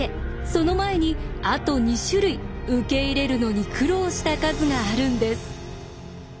その前にあと２種類受け入れるのに苦労した数があるんです。